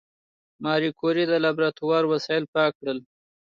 ماري کوري د لابراتوار وسایل پاک کړل.